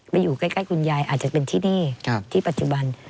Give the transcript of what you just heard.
อยู่ใกล้คุณยายอาจจะเป็นที่นี่ที่ปัจจุบัน